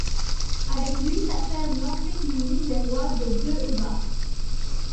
Avec lui s'achève l'antique lignée des rois de Deheubarth.